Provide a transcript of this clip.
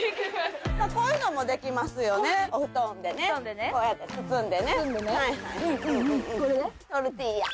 こういうのもできますお布団でこうやって包んで。